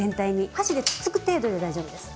箸でつっつく程度で大丈夫です。